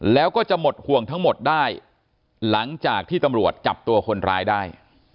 แล้วก็จะหมดห่วงทั้งหมดได้หลังจากที่ตำรวจจับตัวคนร้ายได้